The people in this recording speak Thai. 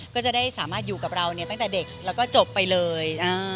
ก็จะได้สามารถอยู่กับเราตั้งแต่เด็กแล้วก็จบไปเลย